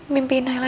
mimpiin nailah gak